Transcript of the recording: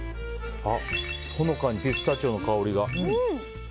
ほのかにピスタチオの香りが。